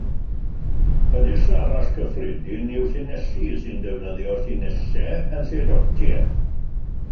Y dull arall cyffredin yw llinellu, sy'n defnyddio llinellau yn lle dotiau.